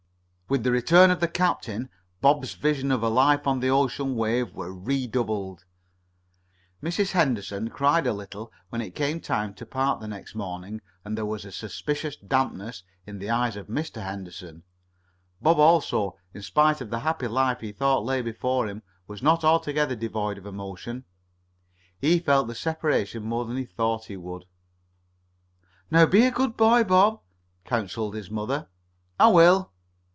With the return of the captain, Bob's visions of a life on the ocean wave were redoubled. Mrs. Henderson cried a little when it came time to part the next morning, and there was a suspicious dampness in the eyes of Mr. Henderson. Bob also, in spite of the happy life he thought lay before him, was not altogether devoid of emotion. He felt the separation more than he thought he would. "Now be a good boy, Bob," counseled his mother. "I will."